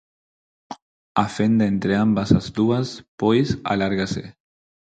A fenda entre ambas as dúas, pois, alárgase.